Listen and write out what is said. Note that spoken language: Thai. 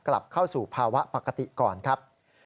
กลับเข้าสู่ภาวะปกติก่อนครับ